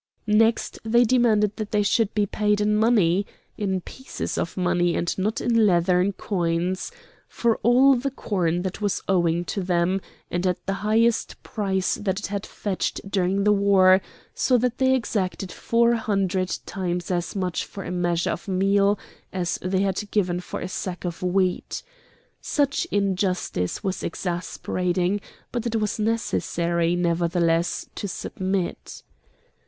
Next they demanded that they should be paid in money (in pieces of money, and not in leathern coins) for all the corn that was owing to them, and at the highest price that it had fetched during the war; so that they exacted four hundred times as much for a measure of meal as they had given for a sack of wheat. Such injustice was exasperating; but it was necessary, nevertheless, to submit.